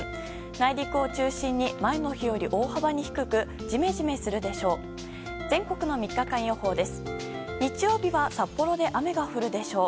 内陸を中心に前の日より大幅に低くジメジメするでしょう。